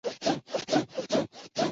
匙唇兰为兰科匙唇兰属下的一个种。